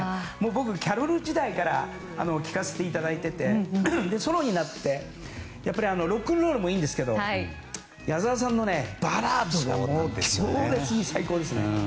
僕、キャロル時代から聴かせていただいててソロになってロックンロールもいいですけど矢沢さんのバラードが強烈に最高ですね！